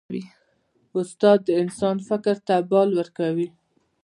استاد د انسان فکر ته بال ورکوي.